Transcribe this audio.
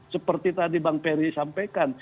seperti tadi bang ferry sampaikan